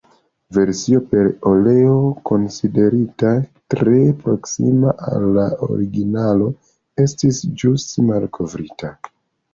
Versio per oleo, konsiderita tre proksima al la originalo, estis ĵus malkovrita.